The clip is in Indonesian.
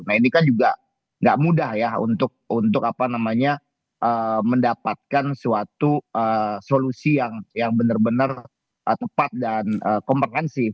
nah ini kan juga nggak mudah ya untuk mendapatkan suatu solusi yang benar benar tepat dan komprehensif